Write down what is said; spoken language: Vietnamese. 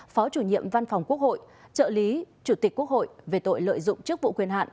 phó chủ nhiệm văn phòng quốc hội trợ lý chủ tịch quốc hội về tội lợi dụng chức vụ quyền hạn